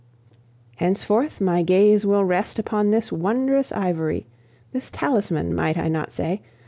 Henceforth my gaze will rest upon this wondrous ivory this talisman, might I not say?